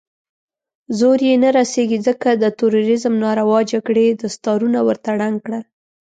زور يې نه رسېږي، ځکه د تروريزم ناروا جګړې دستارونه ورته ړنګ کړل.